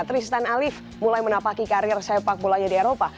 tristan alif mulai menapaki karir sepak bolanya di eropa